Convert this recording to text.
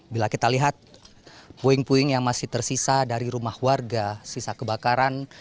bila kita lihat puing puing yang masih tersisa dari rumah warga sisa kebakaran